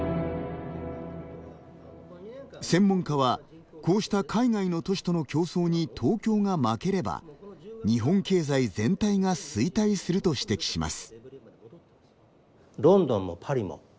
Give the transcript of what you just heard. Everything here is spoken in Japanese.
専門家は、こうした海外の都市との競争に東京が負ければ日本経済全体が衰退すると指摘します。